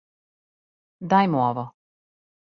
Дај му ово.